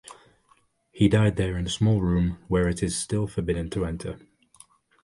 He died there in a small room, where it is still forbidden to enter.